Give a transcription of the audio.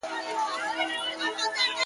زما په غم کي تر قيامته به ژړيږي-